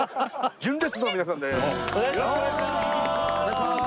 純烈の皆さんです。